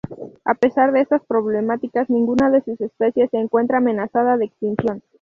A pesar de estas problemáticas, ninguna de sus especies se encuentra amenazada de extinción.